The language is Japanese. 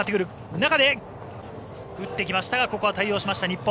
中で打ってきましたがここは対応しました日本。